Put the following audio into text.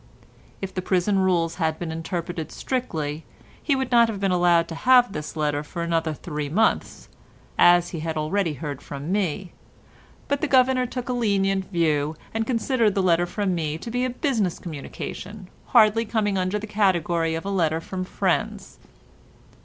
If the prison rules had been interpreted strictly, he would not have been allowed to have this letter for another three months, as he had already heard from me, but the governor took a lenient view, and considered the letter from me to be a business communication hardly coming under the category of a letter from friends.